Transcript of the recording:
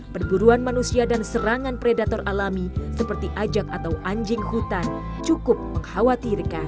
perburuan manusia dan serangan predator alami seperti ajak atau anjing hutan cukup mengkhawatirkan